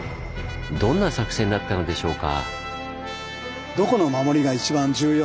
どんな作戦だったのでしょうか？